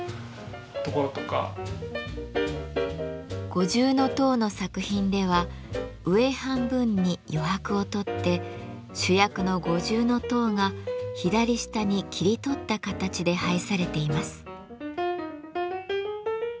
五重塔の作品では上半分に余白を取って主役の五重塔が左下に切り取った形で配されています。